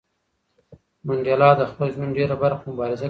منډېلا د خپل ژوند ډېره برخه په مبارزه کې تېره کړه.